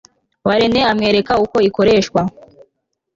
wa rene amwereka uko ikoreshwa